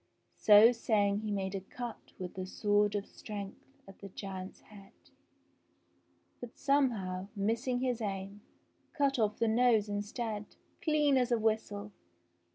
i So saying he made a cut with the sword of strength at , the giant's head, but, somehow, missing his aim, cut off the I nose instead, clean as a whistle